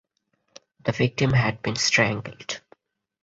The victim had been strangled.